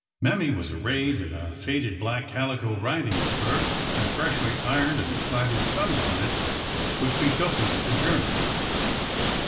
Mammy was arrayed in a faded black calico riding skirt and a freshly ironed and slatted sunbonnet which be tokened a journey.